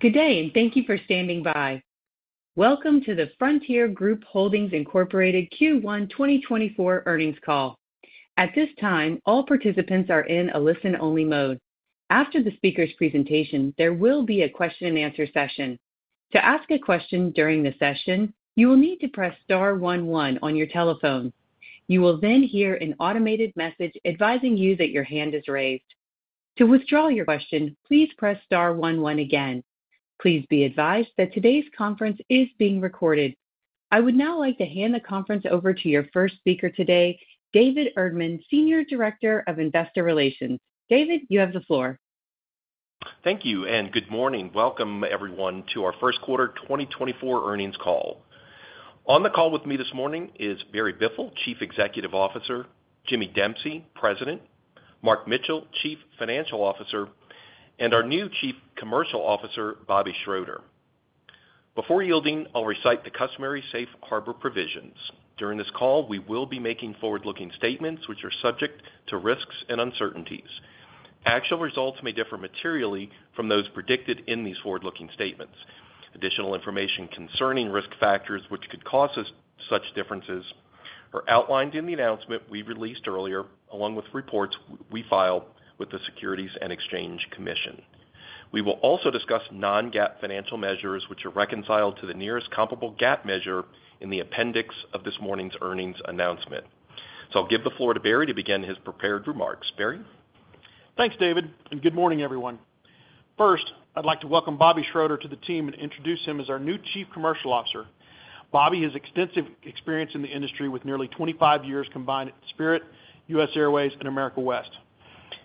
Good day, and thank you for standing by. Welcome to the Frontier Group Holdings, Inc. Q1 2024 earnings call. At this time, all participants are in a listen-only mode. After the speaker's presentation, there will be a question-and-answer session. To ask a question during the session, you will need to press star one one on your telephone. You will then hear an automated message advising you that your hand is raised. To withdraw your question, please press star one one again. Please be advised that today's conference is being recorded. I would now like to hand the conference over to your first speaker today, David Erdman, Senior Director of Investor Relations. David, you have the floor. Thank you, and good morning. Welcome everyone, to our first quarter 2024 earnings call. On the call with me this morning is Barry Biffle, Chief Executive Officer, Jimmy Dempsey, President, Mark Mitchell, Chief Financial Officer, and our new Chief Commercial Officer, Bobby Schroeter. Before yielding, I'll recite the customary safe harbor provisions. During this call, we will be making forward-looking statements which are subject to risks and uncertainties. Actual results may differ materially from those predicted in these forward-looking statements. Additional information concerning risk factors, which could cause us such differences, are outlined in the announcement we released earlier, along with reports we filed with the Securities and Exchange Commission. We will also discuss non-GAAP financial measures, which are reconciled to the nearest comparable GAAP measure in the appendix of this morning's earnings announcement. So I'll give the floor to Barry to begin his prepared remarks. Barry? Thanks, David, and good morning, everyone. First, I'd like to welcome Bobby Schroeter to the team and introduce him as our new Chief Commercial Officer. Bobby has extensive experience in the industry with nearly 25 years combined at Spirit, US Airways and America West.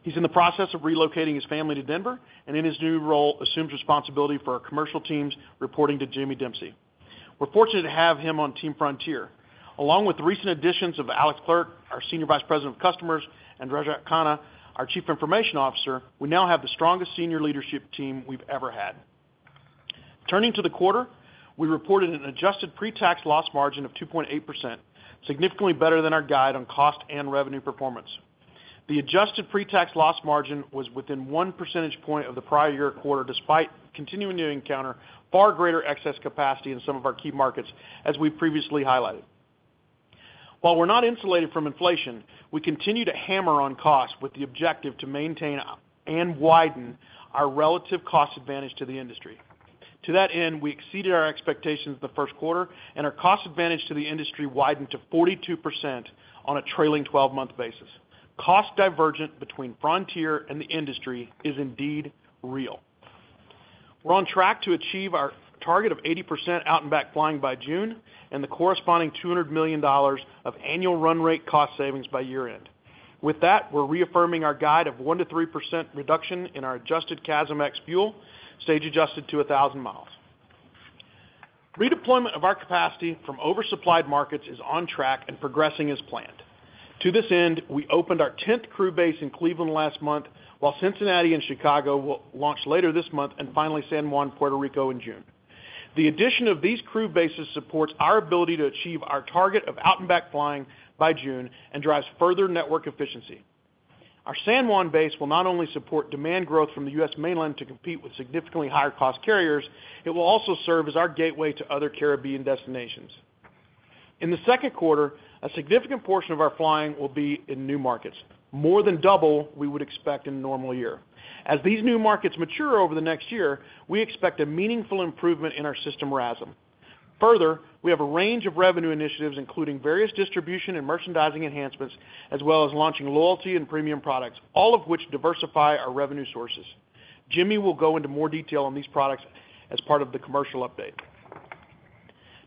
He's in the process of relocating his family to Denver, and in his new role, assumes responsibility for our commercial teams reporting to James Dempsey. We're fortunate to have him on Team Frontier. Along with the recent additions of Alex Clerc, our Senior Vice President of Customers, and Rajat Khanna, our Chief Information Officer, we now have the strongest senior leadership team we've ever had. Turning to the quarter, we reported an adjusted pre-tax loss margin of 2.8%, significantly better than our guide on cost and revenue performance. The adjusted pre-tax loss margin was within one percentage point of the prior year quarter, despite continuing to encounter far greater excess capacity in some of our key markets, as we previously highlighted. While we're not insulated from inflation, we continue to hammer on cost with the objective to maintain and widen our relative cost advantage to the industry. To that end, we exceeded our expectations the first quarter, and our cost advantage to the industry widened to 42% on a trailing twelve-month basis. Cost divergent between Frontier and the industry is indeed real. We're on track to achieve our target of 80% out-and-back flying by June and the corresponding $200 million of annual run rate cost savings by year-end. With that, we're reaffirming our guide of 1%-3% reduction in our adjusted CASM ex fuel, stage adjusted to 1,000 miles. Redeployment of our capacity from oversupplied markets is on track and progressing as planned. To this end, we opened our 10th crew base in Cleveland last month, while Cincinnati and Chicago will launch later this month, and finally, San Juan, Puerto Rico, in June. The addition of these crew bases supports our ability to achieve our target of out-and-back flying by June and drives further network efficiency. Our San Juan base will not only support demand growth from the U.S. mainland to compete with significantly higher-cost carriers, it will also serve as our gateway to other Caribbean destinations. In the second quarter, a significant portion of our flying will be in new markets, more than double we would expect in a normal year. As these new markets mature over the next year, we expect a meaningful improvement in our system RASM. Further, we have a range of revenue initiatives, including various distribution and merchandising enhancements, as well as launching loyalty and premium products, all of which diversify our revenue sources. Jimmy will go into more detail on these products as part of the commercial update.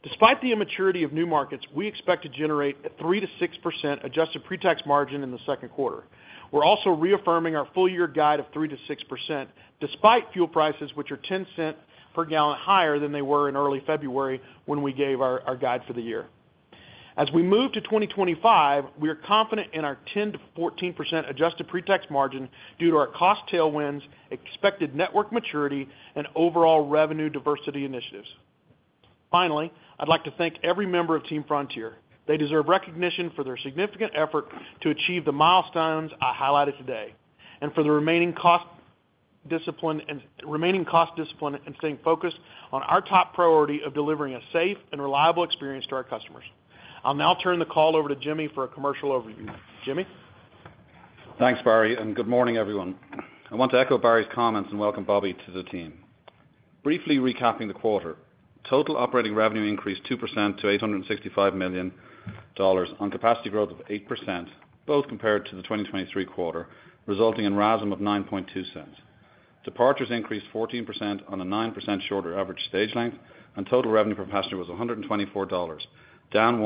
Despite the immaturity of new markets, we expect to generate a 3%-6% adjusted pre-tax margin in the second quarter. We're also reaffirming our full-year guide of 3%-6%, despite fuel prices, which are $0.10 per gallon higher than they were in early February when we gave our guide for the year. As we move to 2025, we are confident in our 10%-14% adjusted pre-tax margin due to our cost tailwinds, expected network maturity, and overall revenue diversity initiatives. Finally, I'd like to thank every member of Team Frontier. They deserve recognition for their significant effort to achieve the milestones I highlighted today, and for the remaining cost discipline and staying focused on our top priority of delivering a safe and reliable experience to our customers. I'll now turn the call over to Jimmy for a commercial overview. Jimmy? Thanks, Barry, and good morning, everyone. I want to echo Barry's comments and welcome Bobby to the team. Briefly recapping the quarter. Total operating revenue increased 2% to $865 million on capacity growth of 8%, both compared to the 2023 quarter, resulting in RASM of $9.2. Departures increased 14% on a 9% shorter average stage length, and total revenue per passenger was $124, down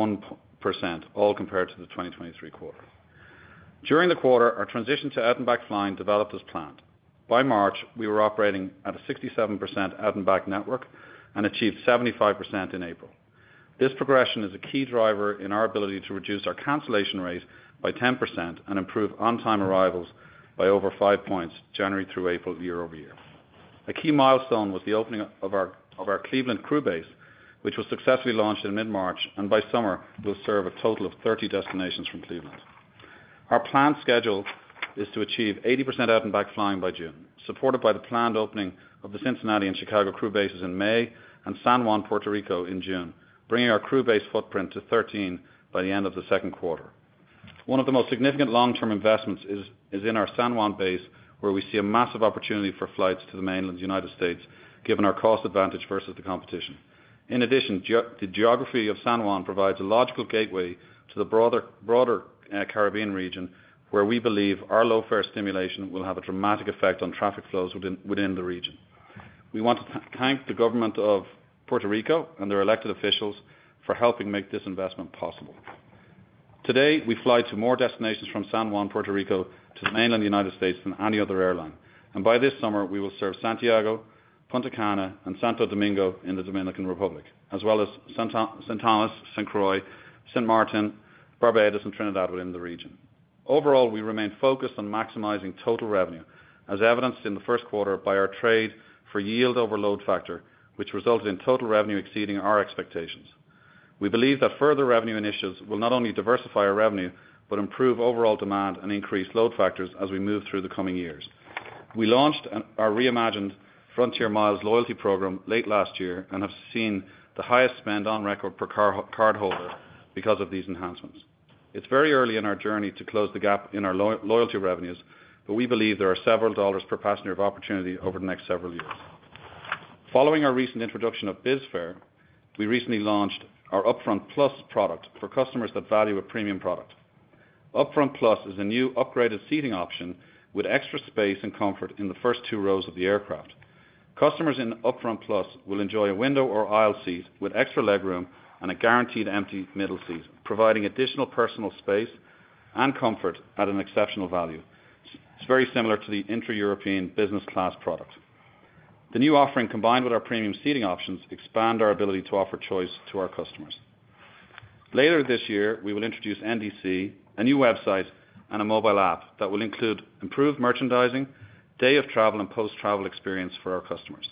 1%, all compared to the 2023 quarter. During the quarter, our transition to out-and-back flying developed as planned. By March, we were operating at a 67% out-and-back network and achieved 75% in April. This progression is a key driver in our ability to reduce our cancellation rate by 10% and improve on-time arrivals by over 5 points January through April, year-over-year. A key milestone was the opening of our Cleveland crew base, which was successfully launched in mid-March, and by summer, we'll serve a total of 30 destinations from Cleveland. Our planned schedule is to achieve 80% out-and-back flying by June, supported by the planned opening of the Cincinnati and Chicago crew bases in May and San Juan, Puerto Rico, in June, bringing our crew base footprint to 13 by the end of the second quarter. One of the most significant long-term investments is in our San Juan base, where we see a massive opportunity for flights to the mainland United States, given our cost advantage versus the competition. In addition, the geography of San Juan provides a logical gateway to the broader Caribbean region, where we believe our low-fare stimulation will have a dramatic effect on traffic flows within the region. We want to thank the government of Puerto Rico and their elected officials for helping make this investment possible. Today, we fly to more destinations from San Juan, Puerto Rico, to the mainland United States than any other airline. And by this summer, we will serve Santiago, Punta Cana, and Santo Domingo in the Dominican Republic, as well as St. Thomas, St. Croix, St. Maarten, Barbados, and Trinidad within the region. Overall, we remain focused on maximizing total revenue, as evidenced in the first quarter by our trade for yield over load factor, which resulted in total revenue exceeding our expectations. We believe that further revenue initiatives will not only diversify our revenue, but improve overall demand and increase load factors as we move through the coming years. We launched our reimagined Frontier Miles loyalty program late last year and have seen the highest spend on record per cardholder because of these enhancements. It's very early in our journey to close the gap in our loyalty revenues, but we believe there are several dollars per passenger of opportunity over the next several years. Following our recent introduction of BizFare, we recently launched our UpFront Plus product for customers that value a premium product. UpFront Plus is a new upgraded seating option with extra space and comfort in the first two rows of the aircraft. Customers in UpFront Plus will enjoy a window or aisle seat with extra legroom and a guaranteed empty middle seat, providing additional personal space and comfort at an exceptional value. It's very similar to the intra-European business class product. The new offering, combined with our premium seating options, expand our ability to offer choice to our customers. Later this year, we will introduce NDC, a new website, and a mobile app that will include improved merchandising, day-of-travel, and post-travel experience for our customers.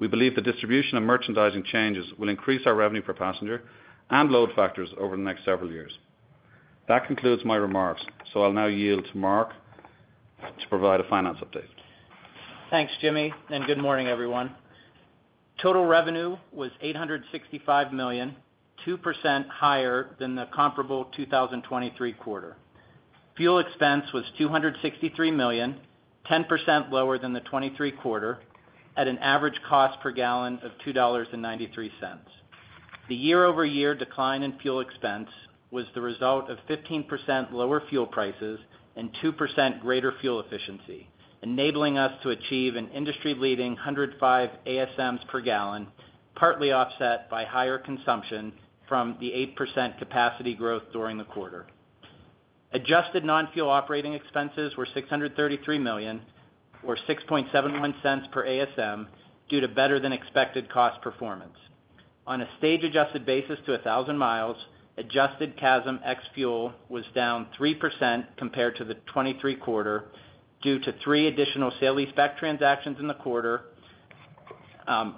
We believe the distribution of merchandising changes will increase our revenue per passenger and load factors over the next several years. That concludes my remarks, so I'll now yield to Mark to provide a finance update. Thanks, Jimmy, and good morning, everyone. Total revenue was $865 million, 2% higher than the comparable 2023 quarter. Fuel expense was $263 million, 10% lower than the 2023 quarter, at an average cost per gallon of $2.93. The year-over-year decline in fuel expense was the result of 15% lower fuel prices and 2% greater fuel efficiency, enabling us to achieve an industry-leading 105 ASMs per gallon, partly offset by higher consumption from the 8% capacity growth during the quarter. Adjusted non-fuel operating expenses were $633 million, or $6.71 per ASM, due to better-than-expected cost performance. On a stage-adjusted basis to 1,000 miles, adjusted CASM ex fuel was down 3% compared to the 2023 quarter due to three additional sale-leaseback transactions in the quarter,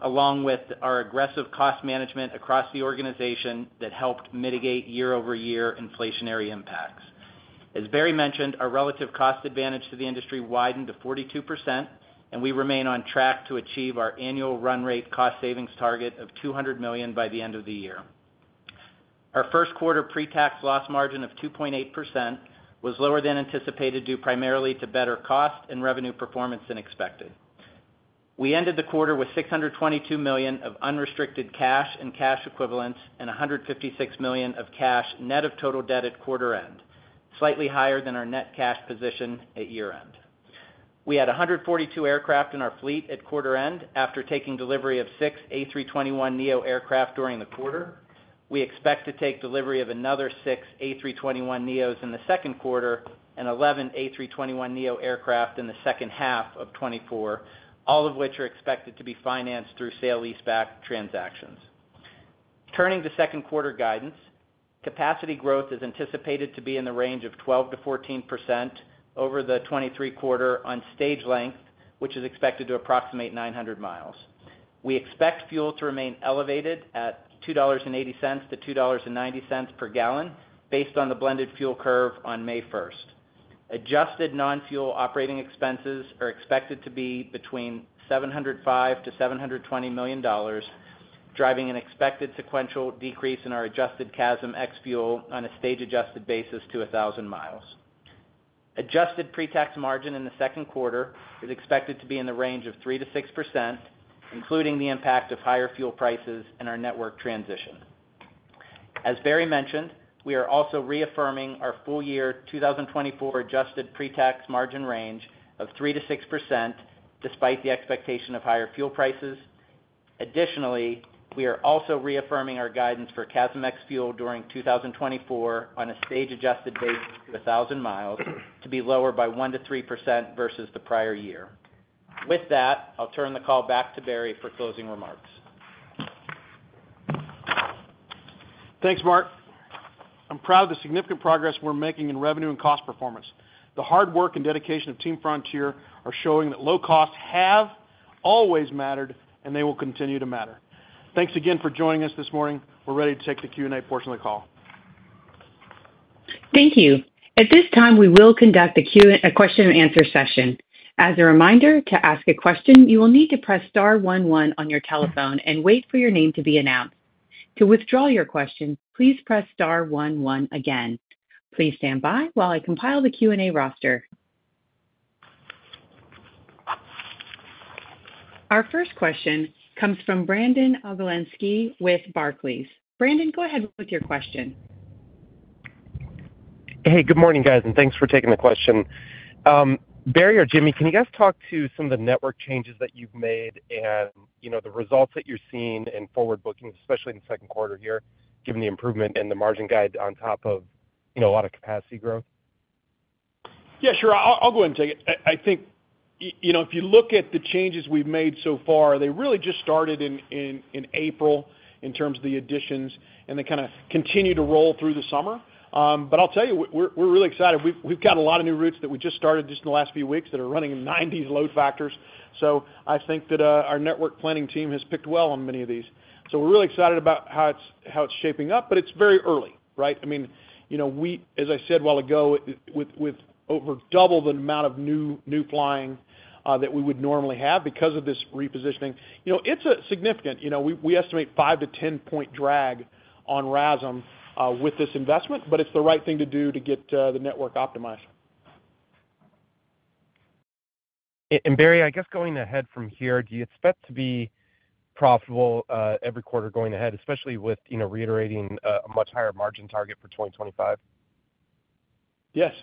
along with our aggressive cost management across the organization that helped mitigate year-over-year inflationary impacts. As Barry mentioned, our relative cost advantage to the industry widened to 42%, and we remain on track to achieve our annual run rate cost savings target of $200 million by the end of the year. Our first quarter pre-tax loss margin of 2.8% was lower than anticipated, due primarily to better cost and revenue performance than expected. We ended the quarter with $622 million of unrestricted cash and cash equivalents, and $156 million of cash, net of total debt at quarter end, slightly higher than our net cash position at year-end. We had 142 aircraft in our fleet at quarter end, after taking delivery of six A321neo aircraft during the quarter. We expect to take delivery of another six A321neos in the second quarter and 11 A321neo aircraft in the second half of 2024, all of which are expected to be financed through sale-leaseback transactions. Turning to second quarter guidance, capacity growth is anticipated to be in the range of 12%-14% over the 2023 quarter on stage length, which is expected to approximate 900 miles. We expect fuel to remain elevated at $2.80-$2.90 per gallon based on the blended fuel curve on May 1st. Adjusted non-fuel operating expenses are expected to be $705 million-$720 million, driving an expected sequential decrease in our adjusted CASM ex fuel on a stage-adjusted basis to 1,000 miles. Adjusted pre-tax margin in the second quarter is expected to be in the range of 3%-6%, including the impact of higher fuel prices and our network transition. As Barry mentioned, we are also reaffirming our full year 2024 adjusted pre-tax margin range of 3%-6%, despite the expectation of higher fuel prices. Additionally, we are also reaffirming our guidance for CASM ex fuel during 2024 on a stage-adjusted basis to 1,000 miles, to be lower by 1%-3% versus the prior year. With that, I'll turn the call back to Barry for closing remarks. Thanks, Mark. I'm proud of the significant progress we're making in revenue and cost performance.... The hard work and dedication of Team Frontier are showing that low costs have always mattered, and they will continue to matter. Thanks again for joining us this morning. We're ready to take the Q&A portion of the call. Thank you. At this time, we will conduct a question and answer session. As a reminder, to ask a question, you will need to press star one one on your telephone and wait for your name to be announced. To withdraw your question, please press star one one again. Please stand by while I compile the Q&A roster. Our first question comes from Brandon Oglenski with Barclays. Brandon, go ahead with your question. Hey, good morning, guys, and thanks for taking the question. Barry or Jimmy, can you guys talk to some of the network changes that you've made and, you know, the results that you're seeing in forward bookings, especially in the second quarter here, given the improvement in the margin guide on top of, you know, a lot of capacity growth? Yeah, sure. I'll go ahead and take it. I think you know, if you look at the changes we've made so far, they really just started in April in terms of the additions, and they kind of continue to roll through the summer. But I'll tell you, we're really excited. We've got a lot of new routes that we just started just in the last few weeks that are running in 90s load factors. So I think that our network planning team has picked well on many of these. So we're really excited about how it's shaping up, but it's very early, right? I mean, you know, we, as I said a while ago, with over double the amount of new flying that we would normally have because of this repositioning, you know, it's a significant... You know, we estimate five to 10 point drag on RASM with this investment, but it's the right thing to do to get the network optimized. Barry, I guess going ahead from here, do you expect to be profitable every quarter going ahead, especially with, you know, reiterating a much higher margin target for 2025? Yes.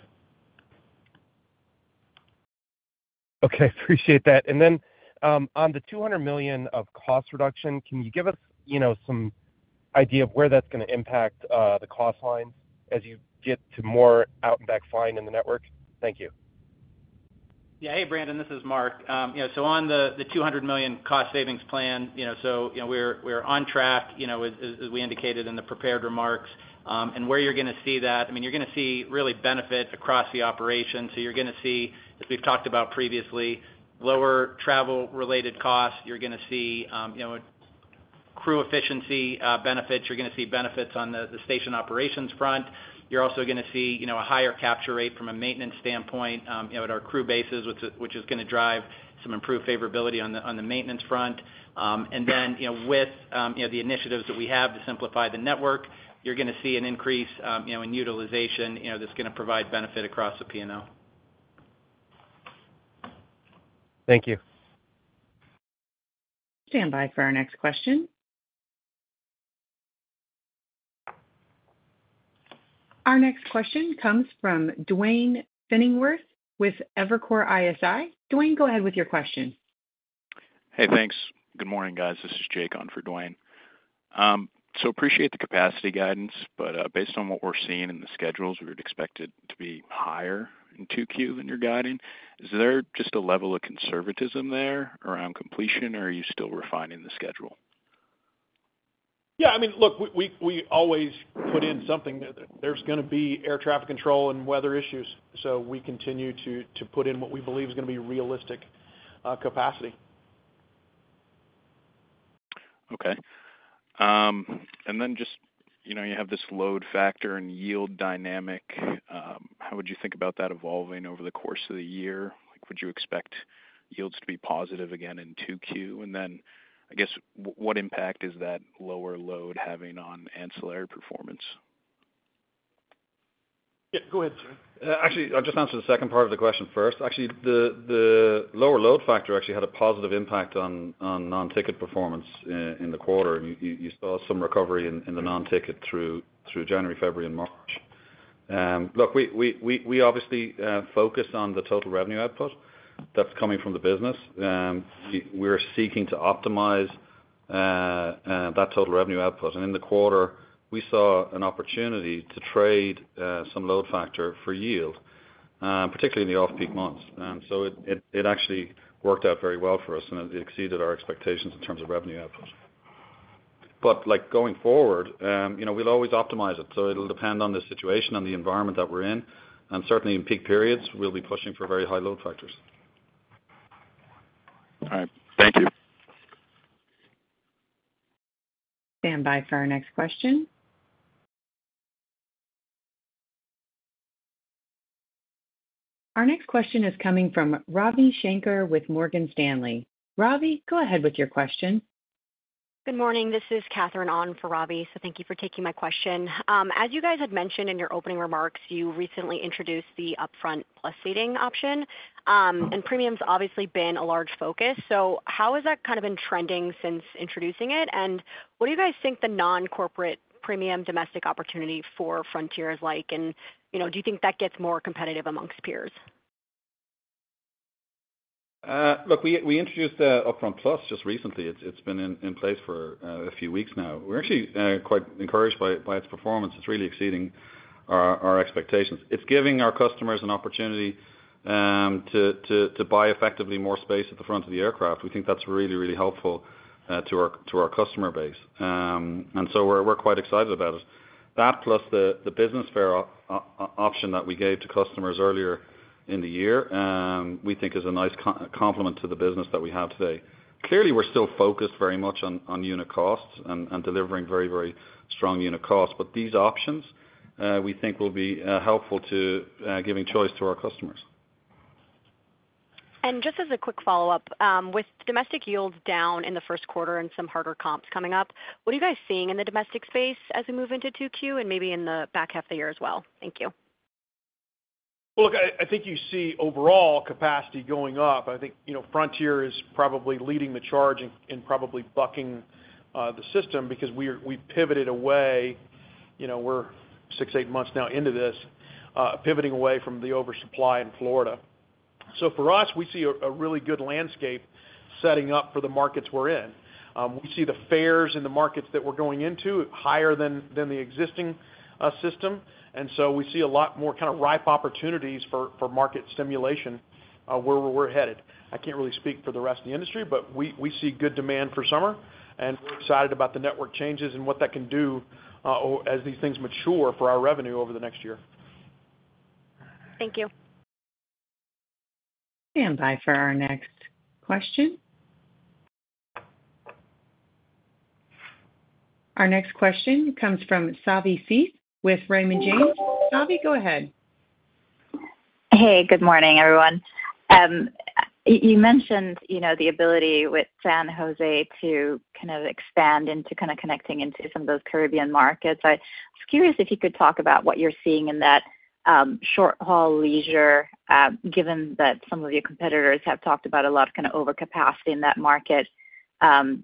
Okay, appreciate that. And then, on the $200 million of cost reduction, can you give us, you know, some idea of where that's gonna impact, the cost line as you get to more out and back flying in the network? Thank you. Yeah. Hey, Brandon, this is Mark. You know, so on the $200 million cost savings plan, you know, so, you know, we're on track, you know, as we indicated in the prepared remarks. And where you're gonna see that, I mean, you're gonna see really benefits across the operation. So you're gonna see, as we've talked about previously, lower travel-related costs. You're gonna see, you know, crew efficiency benefits. You're gonna see benefits on the station operations front. You're also gonna see, you know, a higher capture rate from a maintenance standpoint, you know, at our crew bases, which is gonna drive some improved favorability on the maintenance front. And then, you know, with you know, the initiatives that we have to simplify the network, you're gonna see an increase, you know, in utilization, you know, that's gonna provide benefit across the P&L. Thank you. Stand by for our next question. Our next question comes from Duane Pfennigwerth with Evercore ISI. Duane, go ahead with your question. Hey, thanks. Good morning, guys. This is Jake on for Duane. So appreciate the capacity guidance, but based on what we're seeing in the schedules, we would expect it to be higher in 2Q than you're guiding. Is there just a level of conservatism there around completion, or are you still refining the schedule? Yeah, I mean, look, we always put in something. There's gonna be air traffic control and weather issues, so we continue to put in what we believe is gonna be realistic capacity. Okay. And then just, you know, you have this load factor and yield dynamic. How would you think about that evolving over the course of the year? Like, would you expect yields to be positive again in 2Q? And then, I guess, what impact is that lower load having on ancillary performance? Yeah, go ahead, sir. Actually, I'll just answer the second part of the question first. Actually, the lower load factor actually had a positive impact on non-ticket performance in the quarter. You saw some recovery in the non-ticket through January, February, and March. Look, we obviously focus on the total revenue output that's coming from the business. We're seeking to optimize that total revenue output. In the quarter, we saw an opportunity to trade some load factor for yield, particularly in the off-peak months. So it actually worked out very well for us, and it exceeded our expectations in terms of revenue output. But, like, going forward, you know, we'll always optimize it. It'll depend on the situation and the environment that we're in, and certainly in peak periods, we'll be pushing for very high load factors. All right. Thank you. Stand by for our next question. Our next question is coming from Ravi Shanker with Morgan Stanley. Ravi, go ahead with your question. Good morning. This is Katherine on for Ravi, so thank you for taking my question. As you guys had mentioned in your opening remarks, you recently introduced the UpFront Plus seating option, and premium's obviously been a large focus. So how has that kind of been trending since introducing it? And what do you guys think the non-corporate premium domestic opportunity for Frontier is like? And, you know, do you think that gets more competitive amongst peers? Look, we introduced the UpFront Plus just recently. It's been in place for a few weeks now. We're actually quite encouraged by its performance. It's really exceeding our expectations. It's giving our customers an opportunity-... to buy effectively more space at the front of the aircraft. We think that's really, really helpful to our customer base. And so we're quite excited about it. That plus the business fare option that we gave to customers earlier in the year, we think is a nice complement to the business that we have today. Clearly, we're still focused very much on unit costs and delivering very, very strong unit costs. But these options, we think will be helpful to giving choice to our customers. Just as a quick follow-up, with domestic yields down in the first quarter and some harder comps coming up, what are you guys seeing in the domestic space as we move into 2Q and maybe in the back half of the year as well? Thank you. Well, look, I think you see overall capacity going up. I think, you know, Frontier is probably leading the charge and probably bucking the system because we pivoted away, you know, we're 6-8 months now into this pivoting away from the oversupply in Florida. So for us, we see a really good landscape setting up for the markets we're in. We see the fares in the markets that we're going into higher than the existing system, and so we see a lot more kind of ripe opportunities for market stimulation where we're headed. I can't really speak for the rest of the industry, but we see good demand for summer, and we're excited about the network changes and what that can do as these things mature for our revenue over the next year. Thank you. Standby for our next question. Our next question comes from Savanthi Syth with Raymond James. Savi, go ahead. Hey, good morning, everyone. You mentioned, you know, the ability with San Jose to kind of expand into kind of connecting into some of those Caribbean markets. I was curious if you could talk about what you're seeing in that short-haul leisure, given that some of your competitors have talked about a lot of kind of overcapacity in that market, and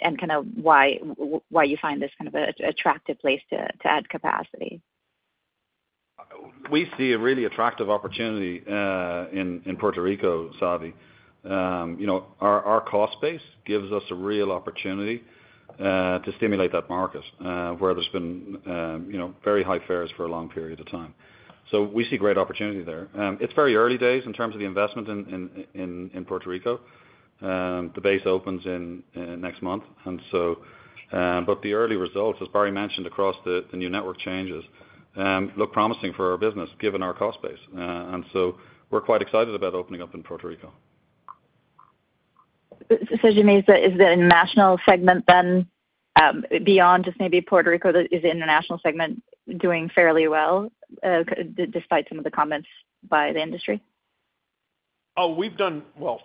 kind of why you find this kind of a attractive place to add capacity. We see a really attractive opportunity in Puerto Rico, Savi. You know, our cost base gives us a real opportunity to stimulate that market where there's been you know, very high fares for a long period of time. So we see great opportunity there. It's very early days in terms of the investment in Puerto Rico. The base opens in next month, and so but the early results, as Barry mentioned, across the new network changes look promising for our business, given our cost base. And so we're quite excited about opening up in Puerto Rico. So, Jamie, is the international segment then, beyond just maybe Puerto Rico, doing fairly well, despite some of the comments by the industry? Oh, we've done well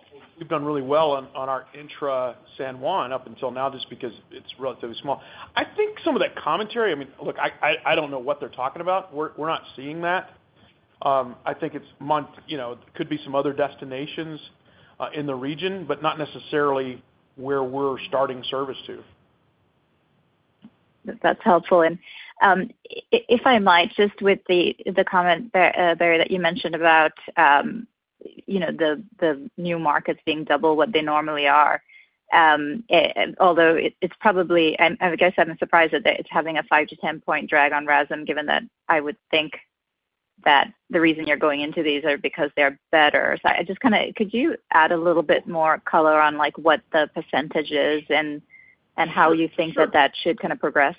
on our intra San Juan up until now, just because it's relatively small. I think some of that commentary, I mean, look, I don't know what they're talking about. We're not seeing that. You know, could be some other destinations in the region, but not necessarily where we're starting service to. That's helpful. And, if I might, just with the comment, Barry, that you mentioned about, you know, the new markets being double what they normally are. Although it's probably, and I guess I'm surprised that it's having a five to 10 point drag on RASM, given that I would think that the reason you're going into these are because they're better. So I just kind of could you add a little bit more color on, like, what the percentage is and, and how you think that that should kind of progress?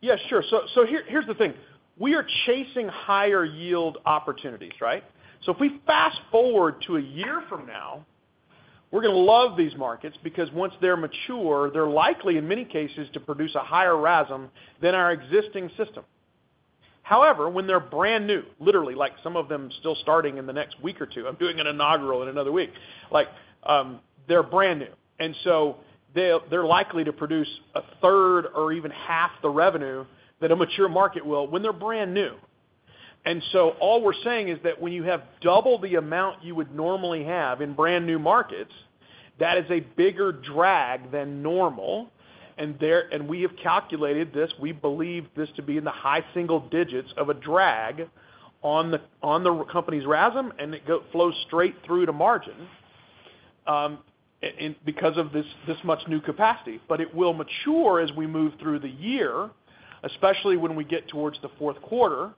Yeah, sure. So here, here's the thing: We are chasing higher yield opportunities, right? So if we fast-forward to a year from now, we're gonna love these markets, because once they're mature, they're likely, in many cases, to produce a higher RASM than our existing system. However, when they're brand new, literally, like some of them still starting in the next week or two, I'm doing an inaugural in another week. Like, they're brand new, and so they're likely to produce a third or even half the revenue that a mature market will when they're brand new. And so all we're saying is that when you have double the amount you would normally have in brand-new markets, that is a bigger drag than normal, and we have calculated this. We believe this to be in the high single digits of a drag on our company's RASM, and it flows straight through to margin, in because of this much new capacity. But it will mature as we move through the year, especially when we get towards the fourth quarter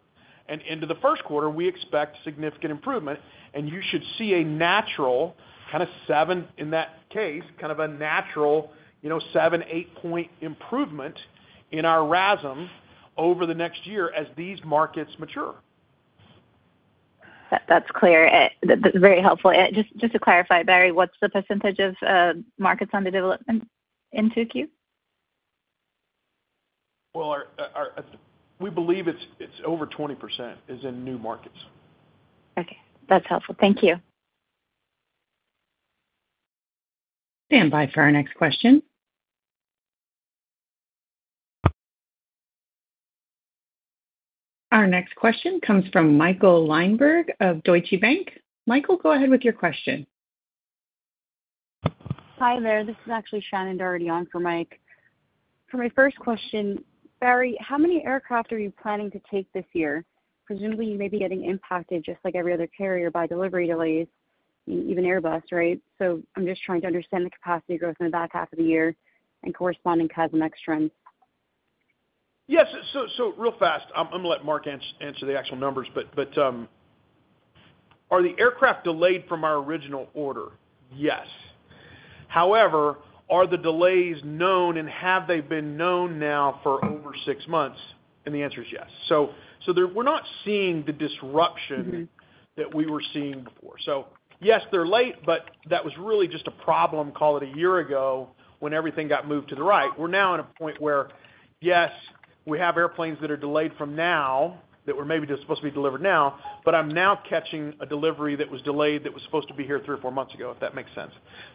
and into the first quarter, we expect significant improvement, and you should see a natural, kind of seven, in that case, kind of a natural, you know, seven-eight-point improvement in our RASM over the next year as these markets mature. That's clear. That's very helpful. Just, just to clarify, Barry, what's the percentage of markets under development in 2Q? Well, we believe it's over 20% is in new markets. Okay, that's helpful. Thank you. Standby for our next question. Our next question comes from Michael Linenberg of Deutsche Bank. Michael, go ahead with your question. Hi there. This is actually Shannon Doherty on for Mike. For my first question, Barry, how many aircraft are you planning to take this year? Presumably, you may be getting impacted, just like every other carrier, by delivery delays, even Airbus, right? So I'm just trying to understand the capacity growth in the back half of the year and corresponding CASM ex.... Yes. So, real fast, I'm gonna let Mark answer the actual numbers, but, are the aircraft delayed from our original order? Yes. However, are the delays known and have they been known now for over six months? And the answer is yes. So, there-- we're not seeing the disruption- Mm-hmm. that we were seeing before. So yes, they're late, but that was really just a problem, call it a year ago, when everything got moved to the right. We're now at a point where, yes, we have airplanes that are delayed from now, that were maybe just supposed to be delivered now, but I'm now catching a delivery that was delayed, that was supposed to be here three or four months ago, if that makes sense.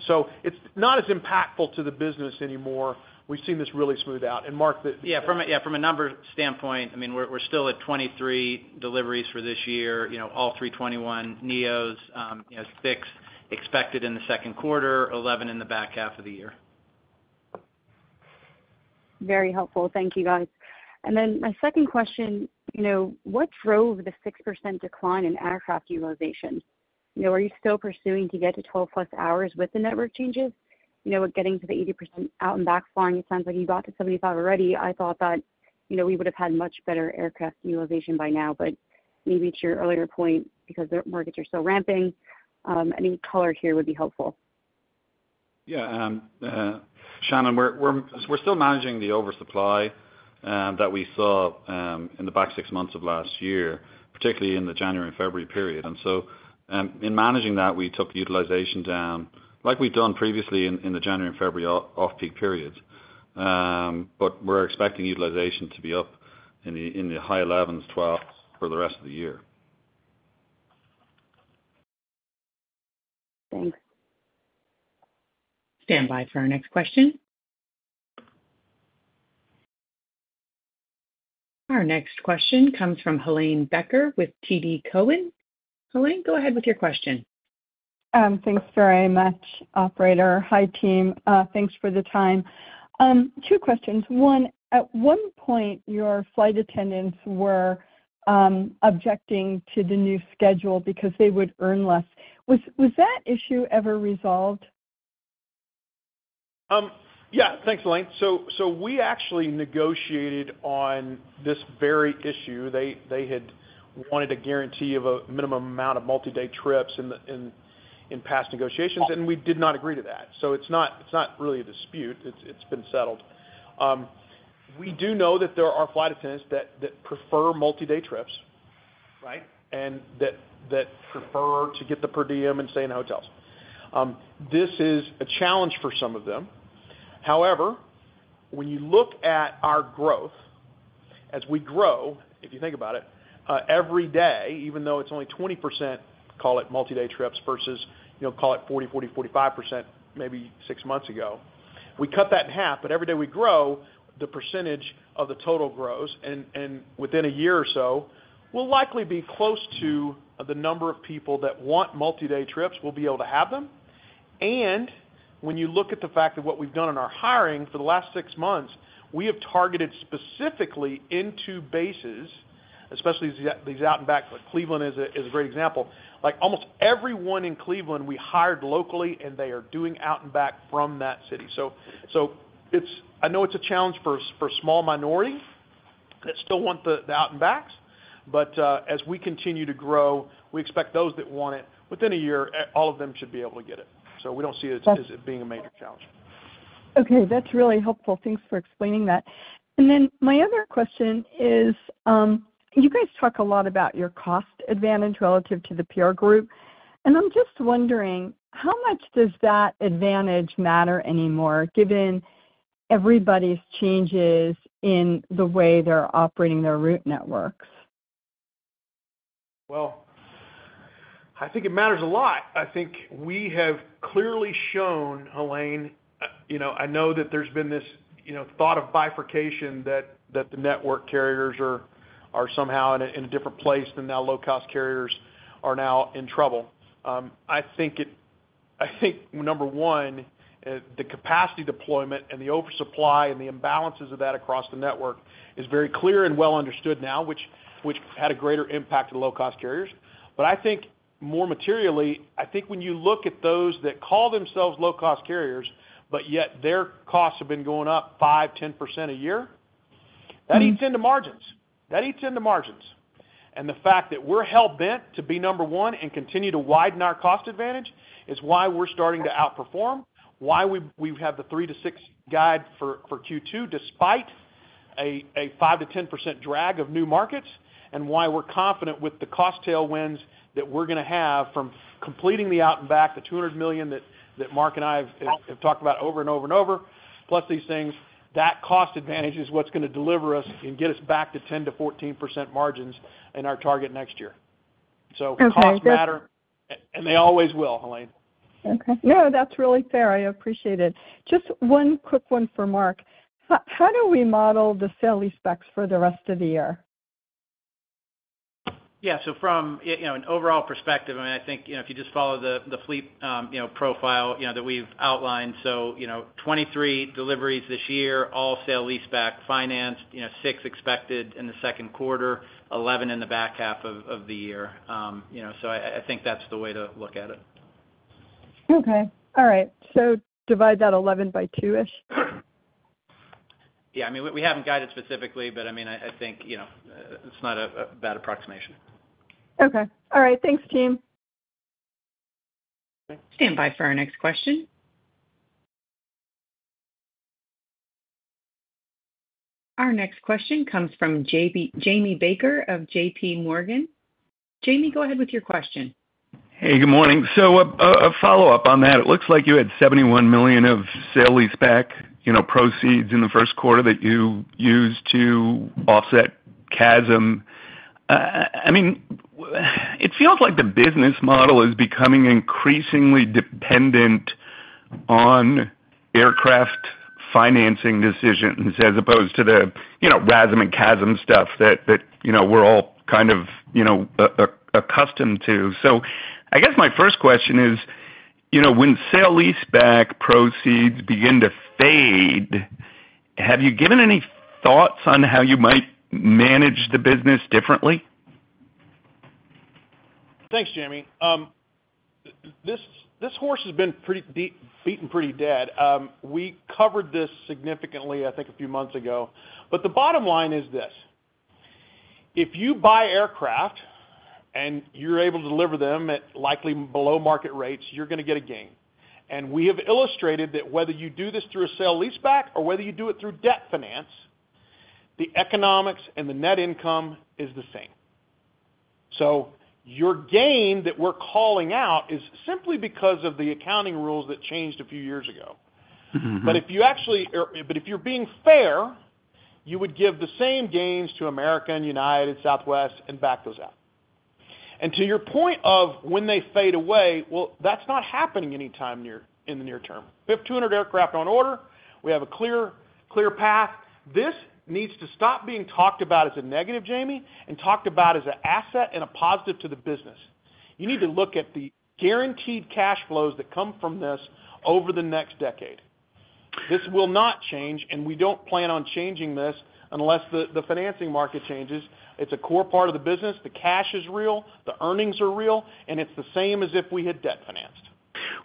So it's not as impactful to the business anymore. We've seen this really smooth out. And Mark, the- Yeah, from a numbers standpoint, I mean, we're still at 23 deliveries for this year, you know, A321neos, you know, six expected in the second quarter, 11 in the back half of the year. Very helpful. Thank you, guys. And then my second question, you know, what drove the 6% decline in aircraft utilization? You know, are you still pursuing to get to 12+ hours with the network changes? You know, we're getting to the 80% out-and-back flying. It sounds like you got to 75 already. I thought that, you know, we would have had much better aircraft utilization by now, but maybe to your earlier point, because the markets are still ramping, any color here would be helpful. Yeah, Shannon, we're still managing the oversupply that we saw in the back six months of last year, particularly in the January and February period. And so, in managing that, we took utilization down, like we've done previously in the January and February off-peak periods. But we're expecting utilization to be up in the high elevens, twelfths for the rest of the year. Thanks. Standby for our next question. Our next question comes from Helane Becker with TD Cowen. Helane, go ahead with your question. Thanks very much, operator. Hi, team. Thanks for the time. Two questions. One, at one point, your flight attendants were objecting to the new schedule because they would earn less. Was that issue ever resolved? Yeah. Thanks, Helane. So, so we actually negotiated on this very issue. They, they had wanted a guarantee of a minimum amount of multi-day trips in the, in, in past negotiations, and we did not agree to that. So it's not, it's not really a dispute. It's, it's been settled. We do know that there are flight attendants that, that prefer multi-day trips, right? And that, that prefer to get the per diem and stay in hotels. This is a challenge for some of them. However, when you look at our growth, as we grow, if you think about it, every day, even though it's only 20%, call it multi-day trips versus, you know, call it 40%-45%, maybe six months ago, we cut that in half, but every day we grow, the percentage of the total grows, and, and within a year or so, we'll likely be close to the number of people that want multi-day trips, will be able to have them. And when you look at the fact of what we've done in our hiring for the last 6 months, we have targeted specifically into bases, especially these, these out and back, like Cleveland is a great example. Like, almost everyone in Cleveland, we hired locally, and they are doing out and back from that city. I know it's a challenge for a small minority that still want the out and backs, but as we continue to grow, we expect those that want it, within a year, all of them should be able to get it. So we don't see it as it being a major challenge. Okay, that's really helpful. Thanks for explaining that. And then my other question is, you guys talk a lot about your cost advantage relative to the peer group, and I'm just wondering, how much does that advantage matter anymore, given everybody's changes in the way they're operating their route networks? Well, I think it matters a lot. I think we have clearly shown, Helane, you know, I know that there's been this, you know, thought of bifurcation that the network carriers are somehow in a different place than now low-cost carriers are now in trouble. I think it, I think number one, the capacity deployment and the oversupply and the imbalances of that across the network is very clear and well understood now, which had a greater impact to the low-cost carriers. But I think more materially, I think when you look at those that call themselves low-cost carriers, but yet their costs have been going up 5%-10% a year, that eats into margins. That eats into margins. The fact that we're hell-bent to be number one and continue to widen our cost advantage is why we're starting to outperform, why we have the three to six guide for Q2, despite a 5%-10% drag of new markets, and why we're confident with the cost tailwinds that we're gonna have from completing the out and back, the $200 million that Mark and I have talked about over and over and over, plus these things, that cost advantage is what's gonna deliver us and get us back to 10%-14% margins in our target next year. Okay, that's- So costs matter, and they always will, Helane. Okay. No, that's really fair. I appreciate it. Just one quick one for Mark. How do we model the sale-leasebacks for the rest of the year? Yeah, so from, you know, an overall perspective, I mean, I think, you know, if you just follow the fleet, you know, profile, you know, that we've outlined, so, you know, 23 deliveries this year, all sale-leaseback financed, you know, six expected in the second quarter, 11 in the back half of the year. You know, so I think that's the way to look at it.... Okay. All right. So divide that 11 by two-ish? Yeah, I mean, we haven't guided specifically, but I mean, I think, you know, it's not a bad approximation. Okay. All right. Thanks, team. Stand by for our next question. Our next question comes from Jamie Baker of JP Morgan. Jamie, go ahead with your question. Hey, good morning. So a follow-up on that. It looks like you had $71 million of sale-leaseback, you know, proceeds in the first quarter that you used to offset CASM. I mean, it feels like the business model is becoming increasingly dependent on aircraft financing decisions as opposed to the, you know, RASM and CASM stuff that you know, we're all kind of, you know, accustomed to. So I guess my first question is, you know, when sale-leaseback proceeds begin to fade, have you given any thoughts on how you might manage the business differently? Thanks, Jamie. This horse has been pretty beaten pretty dead. We covered this significantly, I think, a few months ago, but the bottom line is this: if you buy aircraft and you're able to deliver them at likely below-market rates, you're gonna get a gain. And we have illustrated that whether you do this through a sale lease back or whether you do it through debt finance, the economics and the net income is the same. So your gain that we're calling out is simply because of the accounting rules that changed a few years ago. Mm-hmm. But if you actually, or but if you're being fair, you would give the same gains to American, United, Southwest, and back those out. To your point of when they fade away, well, that's not happening anytime near in the near term. We have 200 aircraft on order. We have a clear, clear path. This needs to stop being talked about as a negative, Jamie, and talked about as an asset and a positive to the business. You need to look at the guaranteed cash flows that come from this over the next decade. This will not change, and we don't plan on changing this unless the, the financing market changes. It's a core part of the business. The cash is real, the earnings are real, and it's the same as if we had debt financed.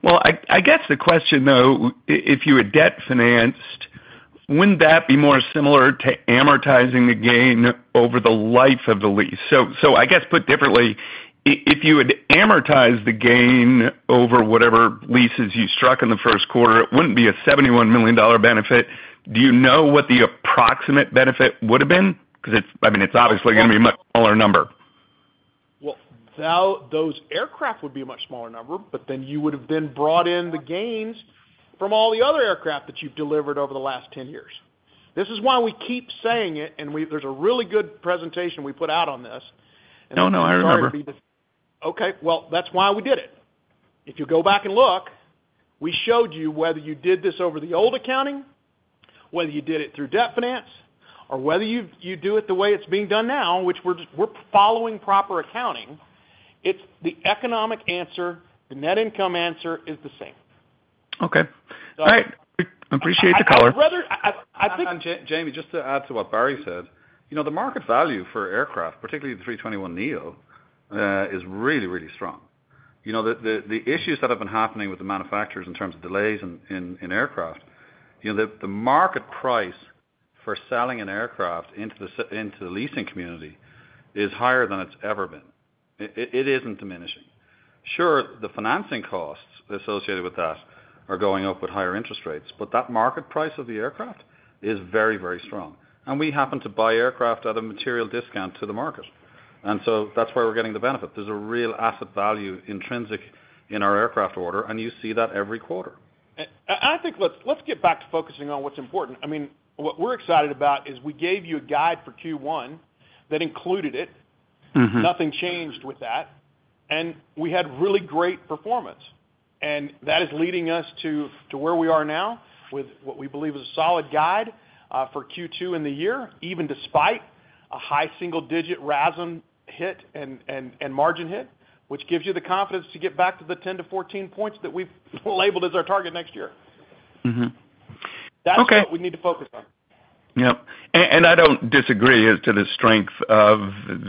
Well, I guess the question, though, if you were debt financed, wouldn't that be more similar to amortizing the gain over the life of the lease? So I guess put differently, if you had amortized the gain over whatever leases you struck in the first quarter, it wouldn't be a $71 million benefit. Do you know what the approximate benefit would've been? 'Cause it's, I mean, it's obviously gonna be a much smaller number. Well, those aircraft would be a much smaller number, but then you would have brought in the gains from all the other aircraft that you've delivered over the last 10 years. This is why we keep saying it, and there's a really good presentation we put out on this. No, no, I remember. Okay, well, that's why we did it. If you go back and look, we showed you whether you did this over the old accounting, whether you did it through debt finance, or whether you do it the way it's being done now, which we're following proper accounting. It's the economic answer, the net income answer is the same. Okay. So- All right. Appreciate the color. Whether I think- And Jamie, just to add to what Barry said, you know, the market value for aircraft, particularly the A321neo, is really, really strong. You know, the issues that have been happening with the manufacturers in terms of delays in aircraft, you know, the market price for selling an aircraft into the leasing community is higher than it's ever been. It isn't diminishing. Sure, the financing costs associated with that are going up with higher interest rates, but that market price of the aircraft is very, very strong, and we happen to buy aircraft at a material discount to the market. And so that's why we're getting the benefit. There's a real asset value intrinsic in our aircraft order, and you see that every quarter. I think, let's get back to focusing on what's important. I mean, what we're excited about is we gave you a guide for Q1 that included it. Mm-hmm. Nothing changed with that, and we had really great performance, and that is leading us to where we are now, with what we believe is a solid guide for Q2 in the year, even despite a high single-digit RASM hit and margin hit, which gives you the confidence to get back to the 10-14 points that we've labeled as our target next year. Mm-hmm. Okay. That's what we need to focus on. Yep, and I don't disagree as to the strength of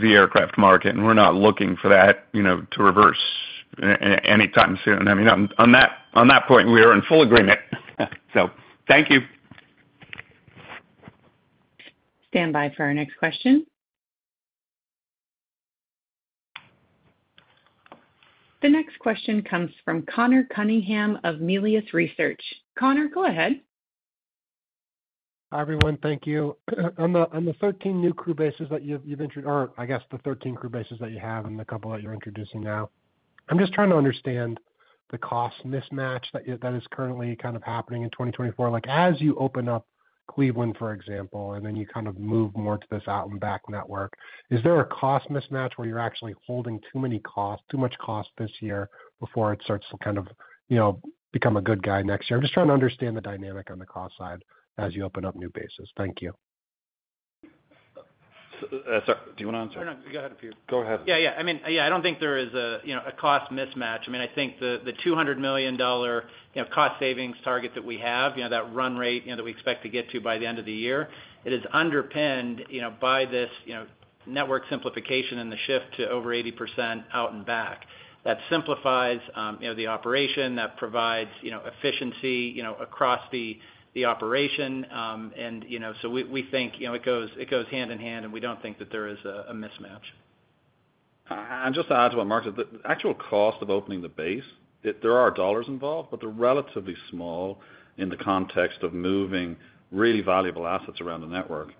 the aircraft market, and we're not looking for that, you know, to reverse anytime soon. I mean, on that point, we are in full agreement. So thank you. Stand by for our next question. The next question comes from Connor Cunningham of Melius Research. Connor, go ahead. Hi, everyone. Thank you. On the 13 crew bases that you have and the couple that you're introducing now, I'm just trying to understand the cost mismatch that is currently kind of happening in 2024. Like, as you open up Cleveland, for example, and then you kind of move more to this out-and-back network, is there a cost mismatch where you're actually holding too many costs, too much cost this year before it starts to kind of, you know, become a good guide next year? I'm just trying to understand the dynamic on the cost side as you open up new bases. Thank you. ... Sorry, do you want to answer? No, go ahead. Go ahead. Yeah, yeah. I mean, yeah, I don't think there is a cost mismatch. I mean, I think the $200 million cost savings target that we have, that run rate that we expect to get to by the end of the year, it is underpinned by this network simplification and the shift to over 80% out-and-back. That simplifies the operation, that provides efficiency across the operation. And so we think it goes hand in hand, and we don't think that there is a mismatch. And just to add to what Mark said, the actual cost of opening the base, there are dollars involved, but they're relatively small in the context of moving really valuable assets around the network,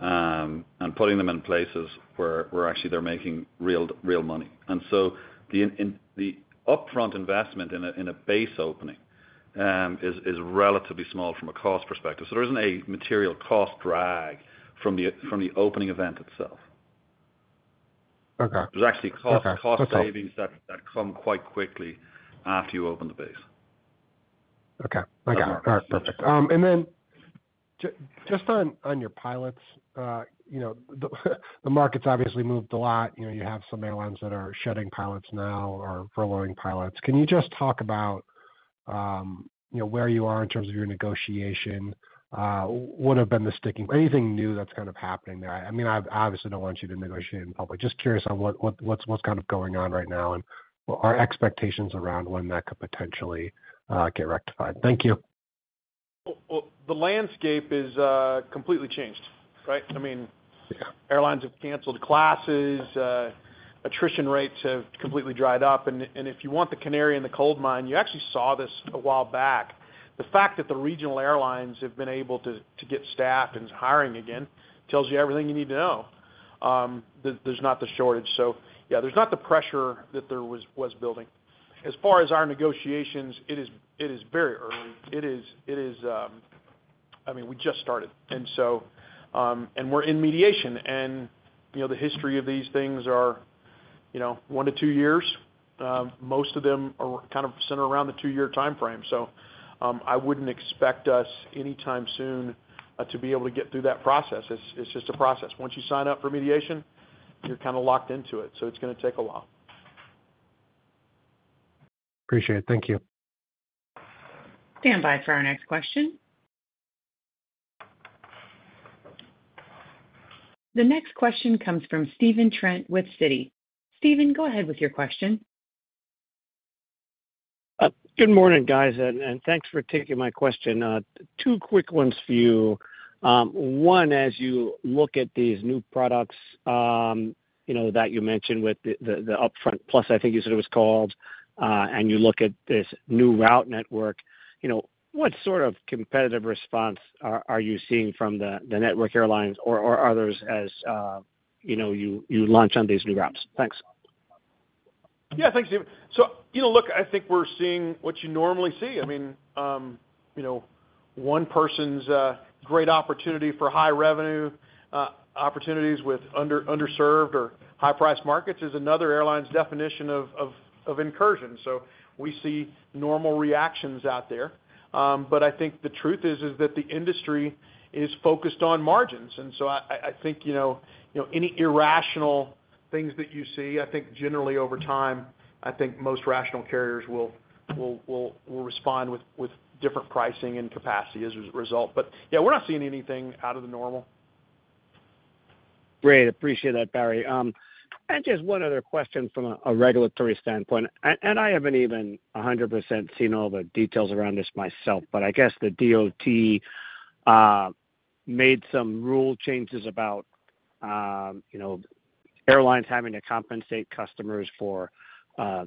and putting them in places where actually they're making real, real money. And so the upfront investment in a base opening is relatively small from a cost perspective. So there isn't a material cost drag from the opening event itself. Okay. There's actually cost- Okay. cost savings that come quite quickly after you open the base. Okay. Okay, all right, perfect. And then just on, on your pilots, you know, the market's obviously moved a lot. You know, you have some airlines that are shedding pilots now or furloughing pilots. Can you just talk about, you know, where you are in terms of your negotiation? What have been the sticking, anything new that's kind of happening there? I mean, I obviously don't want you to negotiate in public. Just curious on what, what's, what's kind of going on right now, and are expectations around when that could potentially, get rectified. Thank you. Well, well, the landscape is completely changed, right? I mean, airlines have canceled classes, attrition rates have completely dried up, and, and if you want the canary in the coal mine, you actually saw this a while back. The fact that the regional airlines have been able to get staffed and hiring again, tells you everything you need to know. There, there's not the shortage. So yeah, there's not the pressure that there was building. As far as our negotiations, it is very early. I mean, we just started. And so, and we're in mediation, and, you know, the history of these things are, you know, one to two years. Most of them are kind of centered around the two-year timeframe. So, I wouldn't expect us anytime soon to be able to get through that process. It's, it's just a process. Once you sign up for mediation, you're kind of locked into it, so it's gonna take a while. Appreciate it. Thank you. Stand by for our next question. The next question comes from Stephen Trent with Citi. Stephen, go ahead with your question. Good morning, guys, and thanks for taking my question. Two quick ones for you. One, as you look at these new products, you know, that you mentioned with the UpFront Plus, I think you said it was called, and you look at this new route network, you know, what sort of competitive response are you seeing from the network airlines or others as, you know, you launch on these new routes? Thanks. Yeah, thanks, Stephen. So, you know, look, I think we're seeing what you normally see. I mean, you know, one person's a great opportunity for high revenue opportunities with under-served or high-priced markets is another airline's definition of incursion. So we see normal reactions out there. But I think the truth is that the industry is focused on margins. And so I think, you know, you know, any irrational things that you see, I think generally over time, I think most rational carriers will respond with different pricing and capacity as a result. But yeah, we're not seeing anything out of the normal. Great. Appreciate that, Barry. And just one other question from a regulatory standpoint, and I haven't even 100% seen all the details around this myself, but I guess the DOT made some rule changes about, you know, airlines having to compensate customers for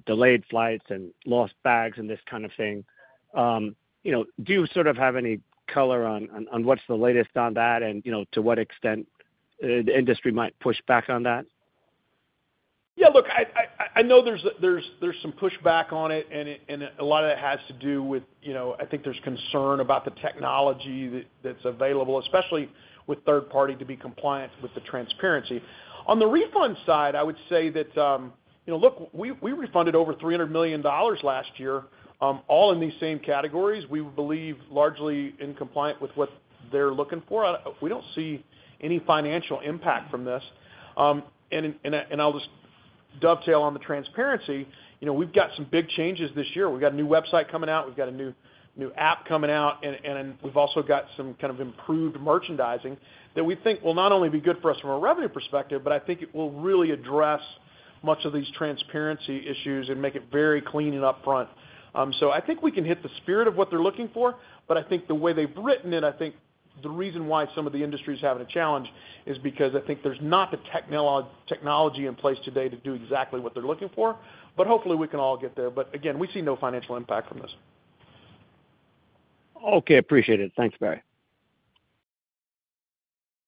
delayed flights and lost bags and this kind of thing. You know, do you sort of have any color on what's the latest on that and, you know, to what extent the industry might push back on that? Yeah, look, I know there's some pushback on it, and a lot of it has to do with, you know, I think there's concern about the technology that's available, especially with third party, to be compliant with the transparency. On the refund side, I would say that, you know, look, we refunded over $300 million last year, all in these same categories. We believe largely in compliant with what they're looking for. We don't see any financial impact from this. And I'll just dovetail on the transparency. You know, we've got some big changes this year. We've got a new website coming out, we've got a new app coming out, and we've also got some kind of improved merchandising that we think will not only be good for us from a revenue perspective, but I think it will really address much of these transparency issues and make it very clean and upfront. So I think we can hit the spirit of what they're looking for, but I think the way they've written it, I think the reason why some of the industry is having a challenge is because I think there's not the technology in place today to do exactly what they're looking for. But hopefully, we can all get there. But again, we see no financial impact from this. Okay, appreciate it. Thanks, Barry.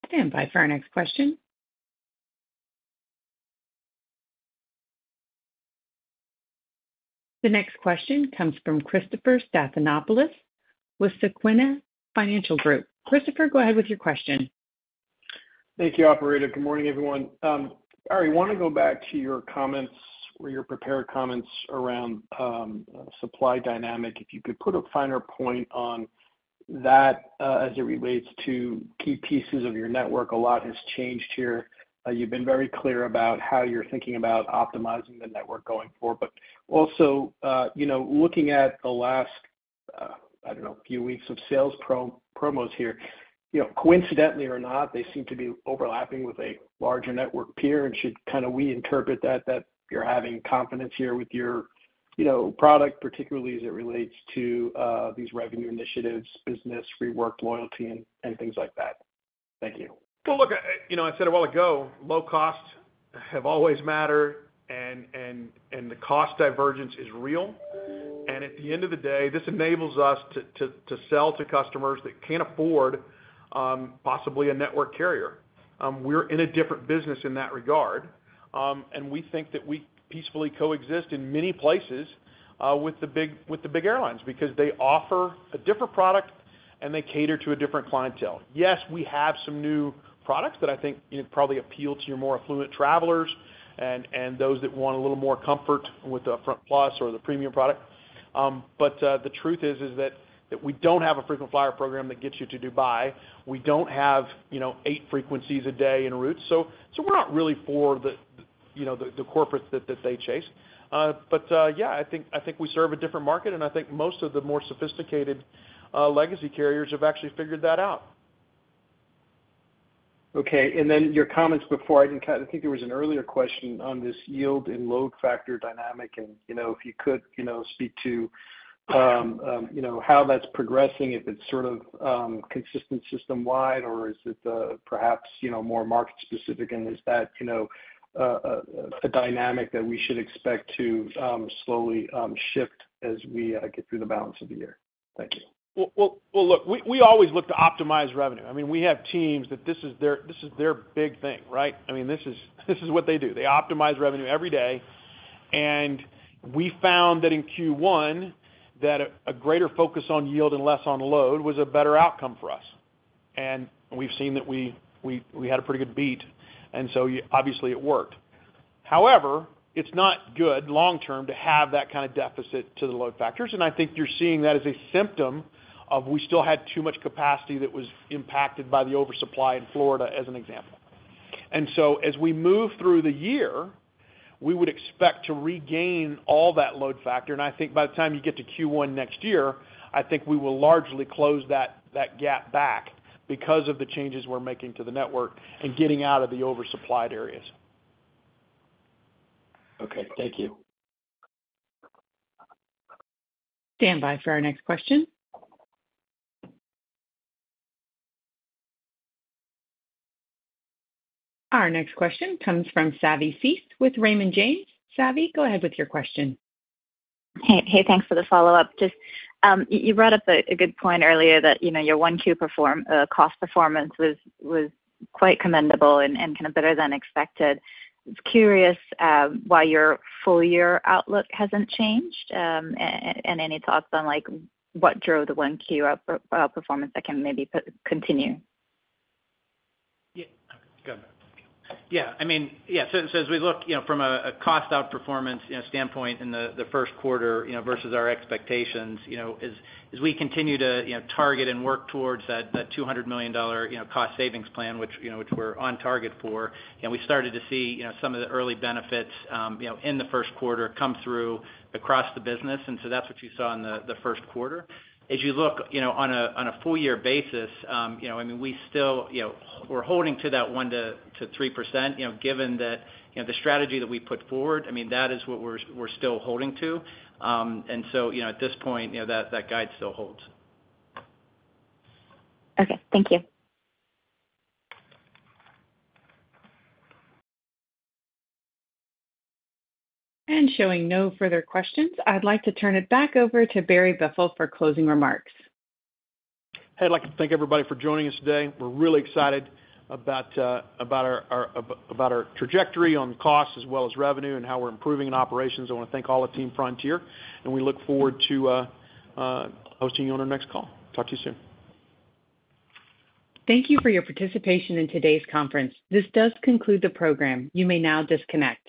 Stand by for our next question. The next question comes from Christopher Stathoulopoulos with Susquehanna Financial Group. Christopher, go ahead with your question. Thank you, operator. Good morning, everyone. Barry, want to go back to your comments or your prepared comments around supply dynamic. If you could put a finer point on-... that, as it relates to key pieces of your network, a lot has changed here. You've been very clear about how you're thinking about optimizing the network going forward. But also, you know, looking at the last, I don't know, few weeks of sales promos here, you know, coincidentally or not, they seem to be overlapping with a larger network peer, and should kind of we interpret that, that you're having confidence here with your, you know, product, particularly as it relates to, these revenue initiatives, business rework, loyalty, and, and things like that? Thank you. Well, look, you know, I said a while ago, low costs have always mattered, and the cost divergence is real. And at the end of the day, this enables us to sell to customers that can't afford possibly a network carrier. We're in a different business in that regard, and we think that we peacefully coexist in many places with the big airlines because they offer a different product, and they cater to a different clientele. Yes, we have some new products that I think, you know, probably appeal to your more affluent travelers and those that want a little more comfort with the UpFront Plus or the Premium product. But the truth is that we don't have a frequent flyer program that gets you to Dubai. We don't have, you know, eight frequencies a day en route, so we're not really for the, you know, the corporates that they chase. But yeah, I think we serve a different market, and I think most of the more sophisticated legacy carriers have actually figured that out. Okay, and then your comments before, I think, I think there was an earlier question on this yield and load factor dynamic, and, you know, if you could, you know, speak to, you know, how that's progressing, if it's sort of, consistent system-wide, or is it, perhaps, you know, more market-specific, and is that, you know, a dynamic that we should expect to, slowly, shift as we, get through the balance of the year? Thank you. Well, well, well, look, we always look to optimize revenue. I mean, we have teams that this is their big thing, right? I mean, this is what they do. They optimize revenue every day, and we found that in Q1, that a greater focus on yield and less on load was a better outcome for us. And we've seen that we had a pretty good beat, and so obviously, it worked. However, it's not good long term to have that kind of deficit to the load factors, and I think you're seeing that as a symptom of we still had too much capacity that was impacted by the oversupply in Florida, as an example. And so as we move through the year, we would expect to regain all that load factor, and I think by the time you get to Q1 next year, I think we will largely close that gap back because of the changes we're making to the network and getting out of the oversupplied areas. Okay, thank you. Stand by for our next question. Our next question comes from Savanthi Syth with Raymond James. Savi, go ahead with your question. Hey, hey, thanks for the follow-up. Just, you brought up a good point earlier that, you know, your 1Q cost performance was quite commendable and kind of better than expected. Just curious, why your full year outlook hasn't changed? And any thoughts on, like, what drove the 1Q outperformance that can maybe continue? Yeah. Go ahead. Yeah, I mean, yeah, so, so as we look, you know, from a, a cost outperformance, you know, standpoint in the, the first quarter, you know, versus our expectations, you know, as, as we continue to, you know, target and work towards that, that $200 million cost savings plan, which, you know, which we're on target for, and we started to see, you know, some of the early benefits, you know, in the first quarter come through across the business, and so that's what you saw in the, the first quarter. As you look, you know, on a full year basis, you know, I mean, we still, you know, we're holding to that 1%-3%, you know, given that, you know, the strategy that we put forward, I mean, that is what we're still holding to. And so, you know, at this point, you know, that guide still holds. Okay, thank you. Showing no further questions, I'd like to turn it back over to Barry Biffle for closing remarks. Hey, I'd like to thank everybody for joining us today. We're really excited about our trajectory on cost as well as revenue and how we're improving in operations. I wanna thank all of Team Frontier, and we look forward to hosting you on our next call. Talk to you soon. Thank you for your participation in today's conference. This does conclude the program. You may now disconnect.